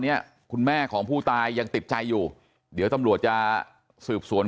เนี้ยคุณแม่ของผู้ตายยังติดใจอยู่เดี๋ยวตำรวจจะสืบสวน